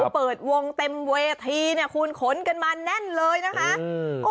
เปิดวงเต็มเวทีเนี่ยคุณขนกันมาแน่นเลยนะคะ